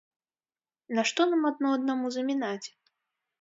Нашто нам адно аднаму замінаць?